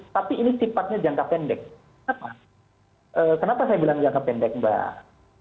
tapi ini sifatnya jangka pendek kenapa kenapa saya bilang jangka pendek mbak